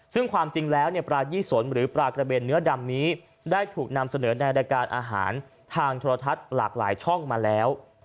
ซึ่งความจริงแล้วปลายี่สนหรือปลากระเบนเนื้อดำนี้ได้ถูกนำเสนอในรายการอาหารทางโทรทัศน์หลากหลายช่องมาแล้ว